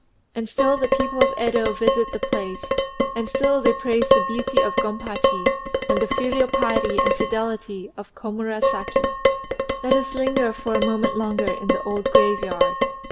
And still the people of Yedo visit the place, and still they praise the beauty of Gompachi and the filial piety and fidelity of Komurasaki. Let us linger for a moment longer in the old graveyard.